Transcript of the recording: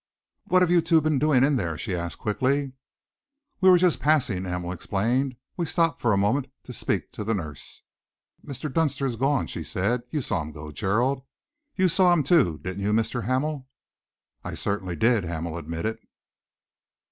"What have you two been doing in there?" she asked quickly. "We were just passing," Hamel explained. "We stopped for a moment to speak to the nurse." "Mr. Dunster has gone," she said. "You saw him go, Gerald. You saw him, too, didn't you, Mr. Hamel?" "I certainly did," Hamel admitted.